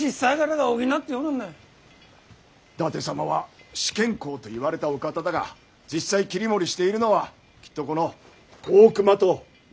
伊達様は四賢侯といわれたお方だが実際切り盛りしているのはきっとこの大隈と伊藤であろう。